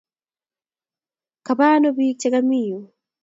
Kaba ano pik che kami yu?